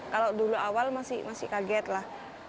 kalau dulu awal masih kaget lah